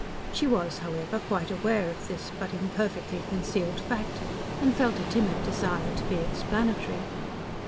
She was, however, quite aware of this but imperfectly concealed fact, and felt a timid desire to be explanatory.